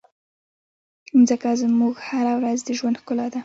مځکه زموږ هره ورځ د ژوند ښکلا ده.